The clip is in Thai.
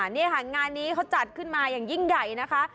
นี่ค่ะงานนี้เขาจัดขึ้นมาอย่างยิ่งใหญ่นะคะ